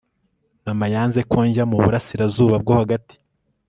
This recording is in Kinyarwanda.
mama yanze ko njya mu burasirazuba bwo hagati